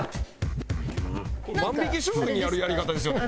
万引き主婦にやるやり方ですよね